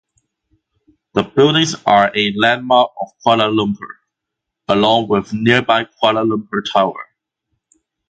The buildings are a landmark of Kuala Lumpur, along with nearby Kuala Lumpur Tower.